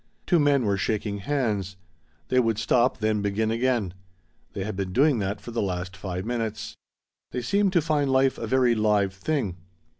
Two men were shaking hands. They would stop, then begin again. They had been doing that for the last five minutes. They seemed to find life a very live thing.